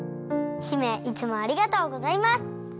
姫いつもありがとうございます！